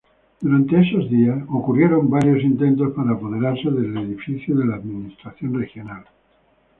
Durante esos días, ocurrieron varios intentos para apoderarse del edificio de la administración regional.